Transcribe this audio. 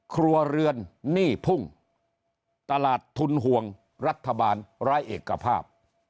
ครัวเรือนหนี้พุ่งตลาดทุนห่วงรัฐบาลร้ายเอกภาพ